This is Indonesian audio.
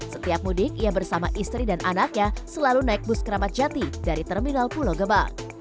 setiap mudik ia bersama istri dan anaknya selalu naik bus keramat jati dari terminal pulau gebang